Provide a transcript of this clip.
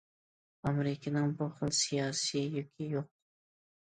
ئامېرىكىنىڭ بۇ خىل سىياسىي يۈكى يوق.